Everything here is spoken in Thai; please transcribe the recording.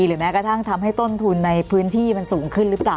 หรือแม้กระทั่งทำให้ต้นทุนในพื้นที่มันสูงขึ้นหรือเปล่า